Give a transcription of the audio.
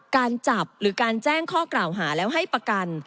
การจับหรือการแจ้งข้อกล่าวหาแล้วให้ประกัน